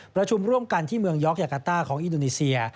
ประชุมร่วมกันที่เมืองยอกยากาต้าของอินโดนีเซีย